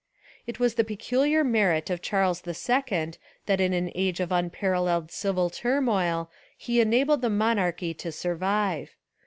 It was the peculiar merit of Charles II that in an age of unparalleled civil turmoil he enabled the monarchy to survive.